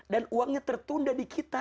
dan uangnya tertunda di kita